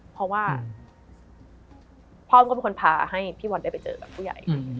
เพราะว่าพ่อมันก็เป็นคนพาให้พี่บอลได้ไปเจอกับผู้ใหญ่